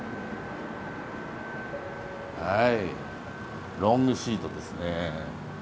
はいロングシートですね。